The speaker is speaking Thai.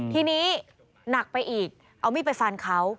ทีนี้หนักไปอีกเอามีดไปฟันเขา